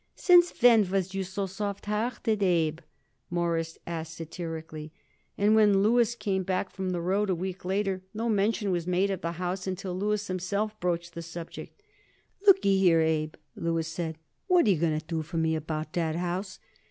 "Since when was you so soft hearted, Abe?" Morris asked satirically; and when Louis came back from the road, a week later, no mention was made of the house until Louis himself broached the topic. "Look'y here, Abe," Louis said, "what are you going to do for me about that house?